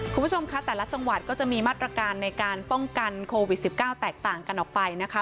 คุณผู้ชมคะแต่ละจังหวัดก็จะมีมาตรการในการป้องกันโควิด๑๙แตกต่างกันออกไปนะคะ